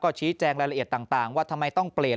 ชี้แจงรายละเอียดต่างว่าทำไมต้องเปลี่ยน